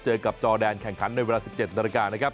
เจอกับจอแดนแข่งขันในเวลา๑๗นาฬิกานะครับ